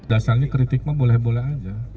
dasarnya kritik mah boleh boleh aja